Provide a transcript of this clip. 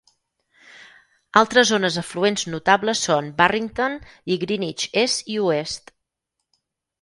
Altres zones afluents notables són Barrington i Greenwich est i oest.